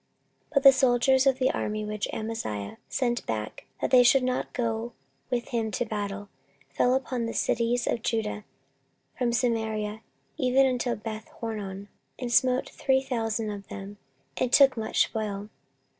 14:025:013 But the soldiers of the army which Amaziah sent back, that they should not go with him to battle, fell upon the cities of Judah, from Samaria even unto Bethhoron, and smote three thousand of them, and took much spoil.